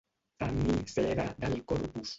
Tenir cera del Corpus.